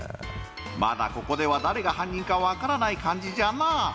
まだここでは誰が犯人か分からない感じじゃな。